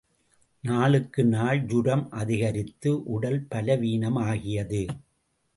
நாளுக்கு நாள் ஜூரம் அதிகரித்து, உடல் பலவீனமாகியது.